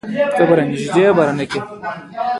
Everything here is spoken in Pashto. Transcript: حرص کول ولې بد دي؟